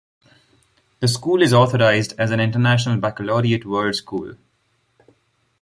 The school is authorized as an International Baccalaureate World School.